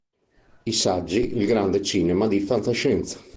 I saggi "Il grande cinema di Fantascienza.